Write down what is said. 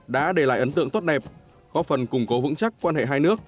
đã để lại ấn tượng tốt đẹp góp phần củng cố vững chắc quan hệ hai nước